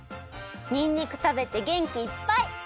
にんにくたべてげんきいっぱい！